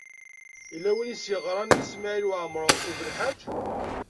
Yella win i s-yeɣṛan i Smawil Waɛmaṛ U Belḥaǧ.